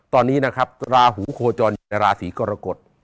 ตอนนี้นะครับราหูโคจรราศีกรกฎ